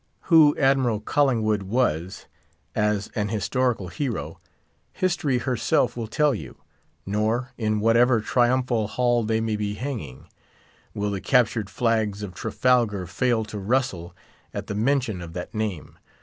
Who Admiral Collinngwood was, as an historical hero, history herself will tell you; nor, in whatever triumphal hall they may be hanging, will the captured flags of Trafalgar fail to rustle at the mention of that name.